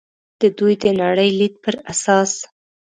د دوی د نړۍ لید پر اساس.